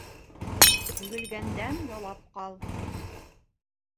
Түгелгәндән ялап ҡал.